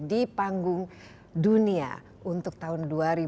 di panggung dunia untuk tahun dua ribu dua puluh